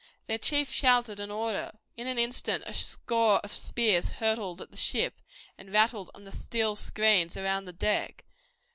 Their chief shouted an order. In an instant a score of spears hurtled at the ship and rattled on the steel screens around the deck.